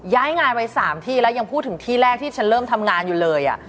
ย้ายงานไป๓ที่แล้วยังพูดถึงที่แรกที่ฉันเริ่มทำงานอยู่เลย